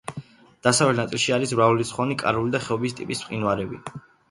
დასავლეთ ნაწილში არის მრავალრიცხოვანი კარული და ხეობის ტიპის მყინვარები.